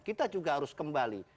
kita juga harus kembali